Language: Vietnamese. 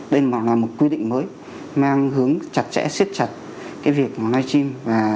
đây là một quy định mới mang hướng chặt chẽ siết chặt cái việc live stream